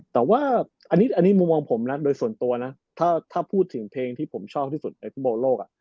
แต่ว่าอันนี้มุมมองผมนะโดยส่วนตัวนะถ้าพูดถึงเพลงที่ผมชอบที่สุดในฟุตบอลโลก